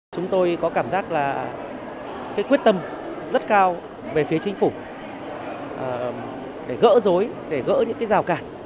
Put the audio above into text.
chúng tôi có cảm giác là quyết tâm rất cao về phía chính phủ để gỡ dối để gỡ những rào cản